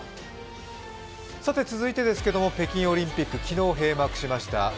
続いて、北京オリンピック昨日閉幕しました。